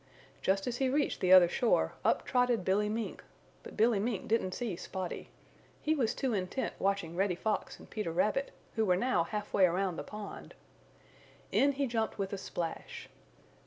Just as he reached the other shore up trotted Billy Mink, but Billy Mink didn't see Spotty. He was too intent watching Reddy Fox and Peter Rabbit, who were now half way around the pond. In he jumped with a splash.